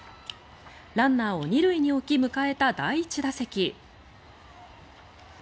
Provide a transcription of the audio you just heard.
ランナーを２塁に置き迎えた第１打席。